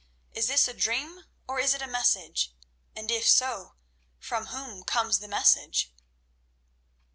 Is this a dream, or is it a message? And if so, from whom comes the message?"